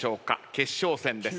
決勝戦です。